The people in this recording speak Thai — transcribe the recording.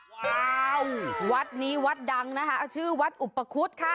ว้าววัดนี้วัดดังนะคะชื่อวัดอุปคุฎค่ะ